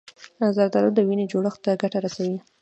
زردالو د وینې جوړښت ته ګټه رسوي.